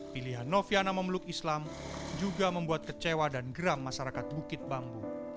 pilihan noviana memeluk islam juga membuat kecewa dan geram masyarakat bukit bambu